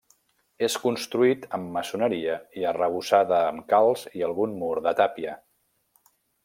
És construït amb maçoneria i arrebossada amb calç i algun mur de tàpia.